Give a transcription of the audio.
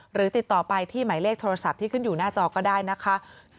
หรือติดต่อไปที่หมายเลขโทรศัพท์ที่ขึ้นอยู่หน้าจอก็ได้นะคะ